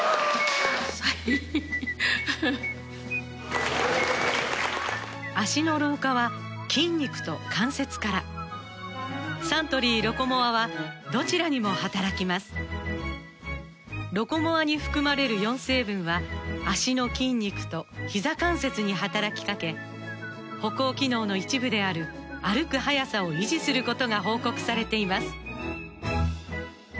はい・脚の老化は筋肉と関節からサントリー「ロコモア」はどちらにも働きます「ロコモア」に含まれる４成分は脚の筋肉とひざ関節に働きかけ歩行機能の一部である歩く速さを維持することが報告されています